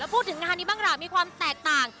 แล้วพูดถึงงานนี้บ้างกันหรือว่ามีความแตกต่าง